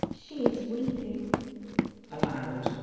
She is weeping! [Aloud.